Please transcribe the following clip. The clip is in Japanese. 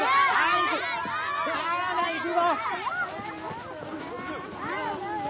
行くぞ。